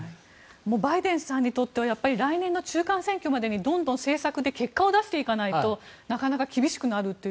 バイデンさんにとっては来年の中間選挙までに政策で結果を出していかないとなかなか厳しくなると。